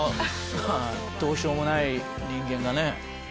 どうしようもない人間がね